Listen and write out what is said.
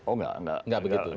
oh nggak nggak begitu